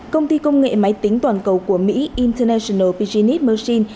công ty công nghệ máy tính toàn cầu của mỹ international piginis machine